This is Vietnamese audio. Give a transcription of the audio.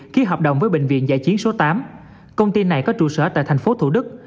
ký hợp đồng với bệnh viện giải chiến số tám công ty này có trụ sở tại thành phố thủ đức